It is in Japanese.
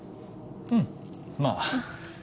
うんまぁ。